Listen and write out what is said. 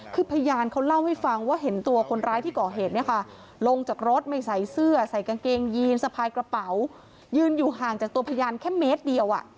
คือพยานเขาเล่าให้ฟังว่าเห็นตัวคนร้ายที่ก่อเหตุเนี่ยค่ะลงจากรถไม่ใส่เสื้อใส่กางเกงยีนสะพายกระเป๋ายืนอยู่ห่างจากตัวพยานแค่เมตรเดียว